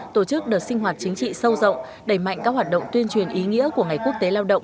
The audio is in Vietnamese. tổ chức đợt sinh hoạt chính trị sâu rộng đẩy mạnh các hoạt động tuyên truyền ý nghĩa của ngày quốc tế lao động